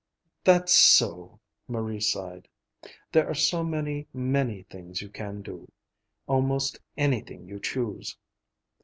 "That's so," Marie sighed. "There are so many, many things you can do. Almost anything you choose."